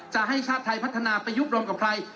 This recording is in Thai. จะให้ชาติไทยพัฒนาไปยุบรวมกับใคร